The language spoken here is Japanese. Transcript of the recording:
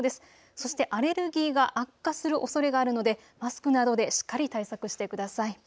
そしてアレルギーが悪化するおそれがあるのでマスクなどでしっかり対策してください。